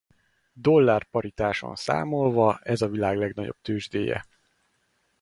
Dollár-paritáson számolva ez a világ legnagyobb tőzsdéje.